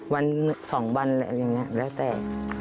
วัน๒วันอะไรอย่างนี้แล้วแต่